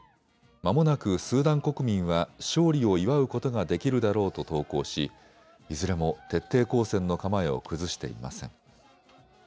まもなくスーダン国民は勝利を祝うことができるだろうと投稿しいずれも徹底抗戦の構えを崩していません。